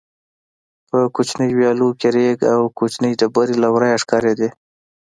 په کوچنیو ویالو کې رېګ او کوچنۍ ډبرې له ورایه ښکارېدې.